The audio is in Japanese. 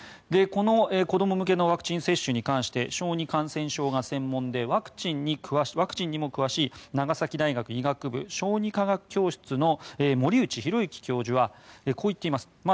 この子ども向けのワクチン接種について小児感染症が専門でワクチンにも詳しい長崎大学医学部小児科学教室の森内浩幸教授はこう言っています。